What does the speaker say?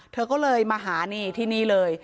เธอก็เลยมาหานี่ที่นี่เลย